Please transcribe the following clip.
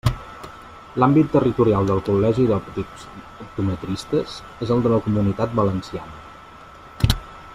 L'àmbit territorial del Col·legi d'Òptics Optometristes és el de la Comunitat Valenciana.